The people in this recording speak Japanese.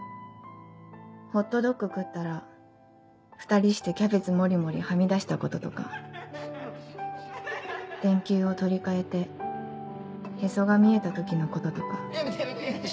ホットドッグ食ったら２人してキャベツもりもりはみ出したこととか電球を取り替えてへそが見えた時のこととか」。